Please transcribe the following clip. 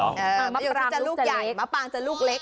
มะปางที่จะลูกใหญ่มะปางจะลูกเล็ก